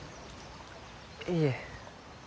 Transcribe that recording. いえ。